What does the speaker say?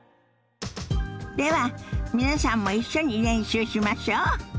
では皆さんも一緒に練習しましょ。